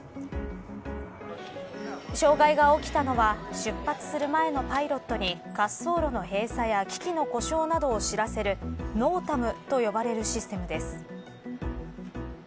障害が起きたのは出発する前のパイロットに滑走路の閉鎖や機器の故障などを知らせるＮＯＴＡＭと呼ばれるシステムです。